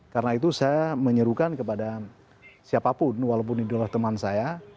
karena itu saya menyuruhkan kepada siapapun walaupun ini adalah teman saya